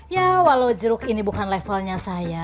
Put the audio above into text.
ya walau jeruk ini bukan levelnya saya